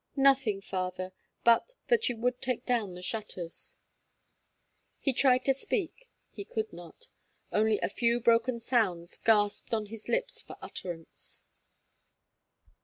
"Nothing, father, but that you would take down the shutters." He tried to speak he could not; only a few broken sounds gasped on his lips for utterance.